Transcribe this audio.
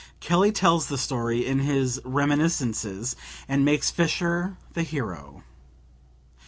Kelly tells the story in his "Reminiscences" and makes Fischer the hero.